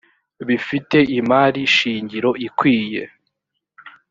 bifite imari shingiro ikwiye